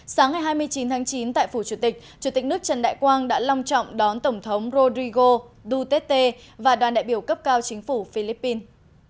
sáng ngày hai mươi chín tháng chín tại phủ chủ tịch chủ tịch nước trần đại quang đã long trọng đón tổng thống rodrigo duterte và đoàn đại biểu cấp cao chính phủ philippines